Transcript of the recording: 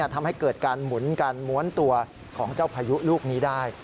ทำให้เกิดการหมุนการม้วนตัวของเจ้าพายุลูกนี้ได้